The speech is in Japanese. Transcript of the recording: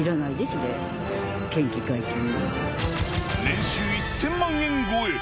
年収１０００万円超え。